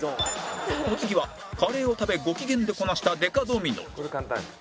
お次はカレーを食べご機嫌でこなしたデカドミノ